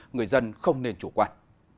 người dân không nên chủ quan